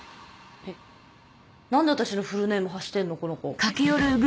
えっ何で私のフルネーム発してんのこの子。